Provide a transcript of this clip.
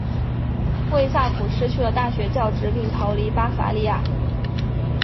魏萨普失去了大学教职并逃离巴伐利亚。